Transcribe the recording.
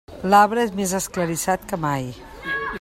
L'arbre és més esclarissat que mai.